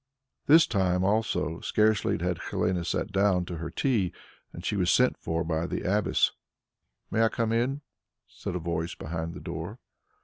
This time also, scarcely had Helene sat down to her tea than she was sent for by the abbess. "May I come in?" said a voice behind the door.